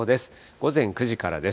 午前９時からです。